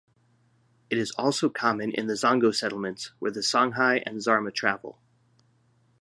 It is also common in the Zongo Settlements where the Songhai and Zarma travel.